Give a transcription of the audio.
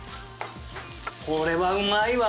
これはうまいわ！